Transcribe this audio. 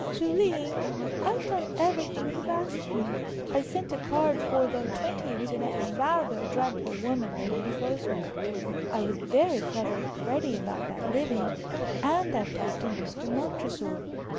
"Julie, I've done everything you've asked me. I sent a card for the 20th to that rather dreadful woman, Lady Froswick. I was very clever with Freddie about that living; and I've talked to Mr. Montresor.